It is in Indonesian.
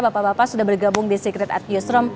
bapak bapak sudah bergabung di secret adjustment room